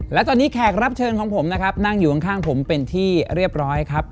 และตอนนี้แขกรับเชิญของผมนะครับนั่งอยู่ข้างผมเป็นที่เรียบร้อยครับ